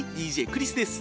ＤＪクリスです。